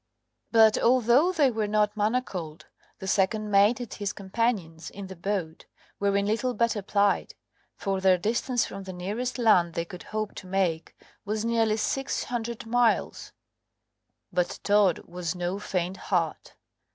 But although they were not manacled, the second mate and his companions in the boat were in little better plight, for their distance from the nearest land they could hope to make was nearly six hundred miles. But Todd was no faint heart.